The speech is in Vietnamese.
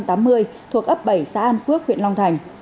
thuộc ấp bảy xã an phước huyện long thành